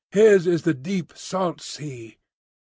"His is the deep, salt sea."